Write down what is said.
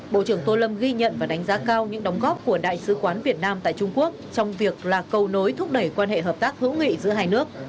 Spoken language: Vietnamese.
bộ trưởng tô lâm ghi nhận và đánh giá cao những đóng góp của đại sứ quán việt nam tại trung quốc trong việc là câu nối thúc đẩy quan hệ hợp tác hữu nghị giữa hai nước